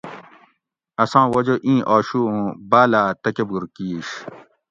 اساں وجہ اِیں آشُو اُوں باٞلاٞ تکبُر کِیش